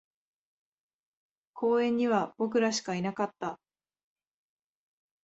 公園には僕らしかいなかった